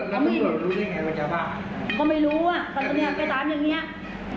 แล้วตรงนี้รู้ได้ไงว่ามันยาบ้าก็ไม่รู้อ่ะตรงนี้ก็ตามอย่างนี้